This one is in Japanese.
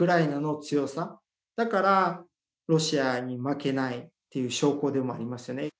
だからロシアに負けないっていう証拠でもありますよね。